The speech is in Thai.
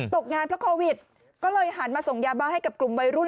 ตกงานเพราะโควิดก็เลยหันมาส่งยาบ้าให้กับกลุ่มวัยรุ่น